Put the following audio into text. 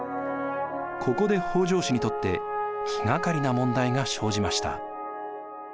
ここで北条氏にとって気がかりな問題が生じました。